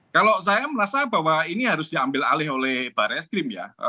kalau saya merasa bahwa ini harus diambil alih oleh barreskrim ya